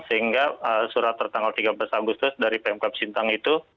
sehingga surat tertanggal tiga belas agustus dari pemkap sintang itu